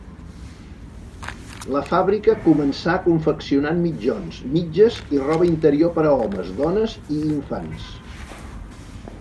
La fàbrica començà confeccionant mitjons, mitges i roba interior per a homes, dones i infants.